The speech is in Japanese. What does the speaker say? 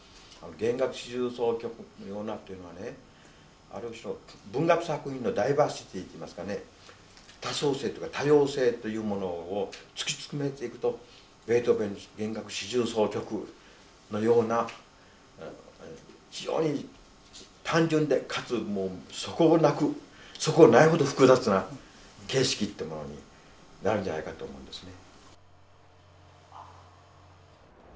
弦楽四重奏曲のようなというのはねある種の文学作品のダイバーシティーといいますかね多層性というか多様性というものを突き詰めていくとベートーベンの弦楽四重奏曲のような非常に単純でかつ底なく底ないほど複雑な形式ってものになるんじゃないかと思うんですね。